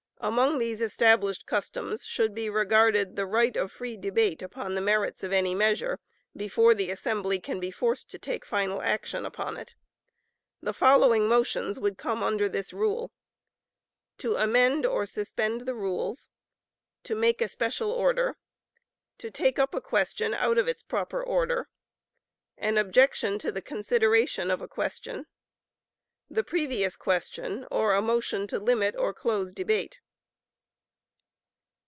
Among these established customs should be regarded the right of free debate upon the merits of any measure, before the assembly can be forced to take final action upon it. The following motions would come under this rule: To amend or suspend the rules. To make a special order. To take up a question out of its proper order. An objection to the consideration of a question. The Previous Question, or a motion to limit or close debate.